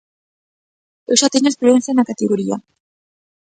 Eu xa teño experiencia na categoría.